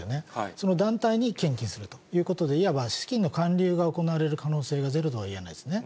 その団体に献金するということで、いわば資金の還流が行われる可能性がゼロとはいえないですね。